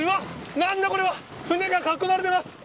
なんだこれは、船が囲まれてます！